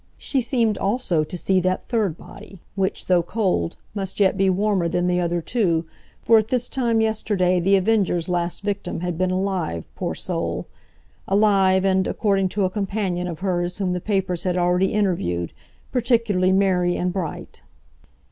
She seemed also to see that third body, which, though cold, must yet be warmer than the other two, for at this time yesterday The Avenger's last victim had been alive, poor soul—alive and, according to a companion of hers whom the papers had already interviewed, particularly merry and bright.